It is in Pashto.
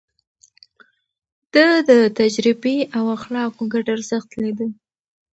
ده د تجربې او اخلاقو ګډ ارزښت ليده.